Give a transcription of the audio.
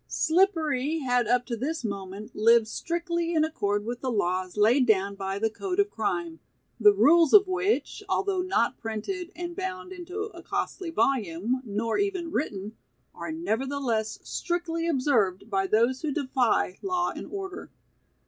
Slippery had up to this moment lived strictly in accord with the laws laid down by the "Code of Crime", the rules of which, although not printed and bound into a costly volume, nor even written, are nevertheless strictly observed by those who defy law and order.